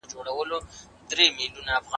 ځکه د ايران جګړه ممکن اوږده سي.